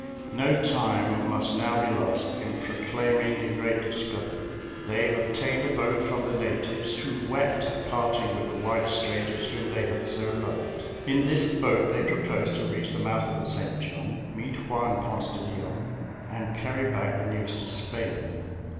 No time must now be lost in proclaiming the great discovery. They obtained a boat from the natives, who wept at parting with the white strangers whom they had so loved. In this boat they proposed to reach the mouth of the St. John, meet Juan Ponce de Leon, and carry back the news to Spain.